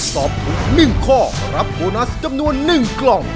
ตอบถูก๑ข้อรับโบนัสจำนวน๑กล่อง